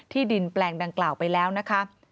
ดินแปลงดังกล่าวไปแล้วนะคะ